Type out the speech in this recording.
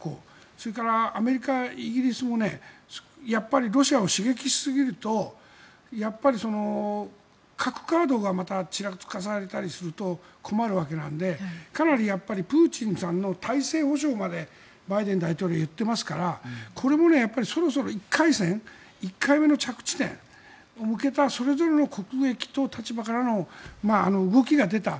それからアメリカ、イギリスもやっぱりロシアを刺激しすぎると核カードがまたちらつかせたりすると困るわけなのでプーチンさんの体制保証までバイデン大統領は言ってますからこれもそろそろ１回戦１回目の着地点に向けたそれぞれの国益と立場からの動きが出た。